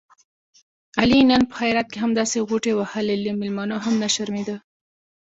علي نن په خیرات کې همداسې غوټې وهلې، له مېلمنو هم نه شرمېدا.